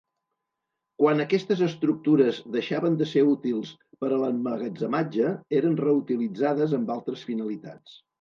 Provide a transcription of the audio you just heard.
Quan aquestes estructures deixaven de ser útils per a l’emmagatzematge, eren reutilitzades amb altres finalitats.